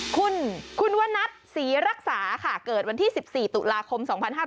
คุณคุณวนัทศรีรักษาค่ะเกิดวันที่๑๔ตุลาคม๒๕๕๙